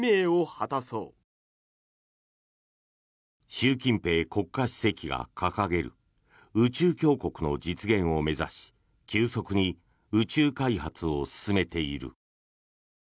習近平国家主席が掲げる宇宙強国の実現を目指し急速に宇宙開発を進めている。